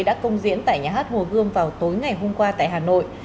đã công diễn tại nhà hát hồ gươm vào tối ngày hôm qua tại hà nội